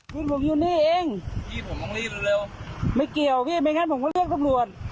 คุณผมอยู่นี่เองพี่ผมต้องรีบเร็วไม่เกี่ยวพี่ไม่งั้นผมก็เรียกตำรวจ